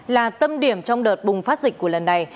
là tâm điểm trong đợt bùng phát dịch của lần này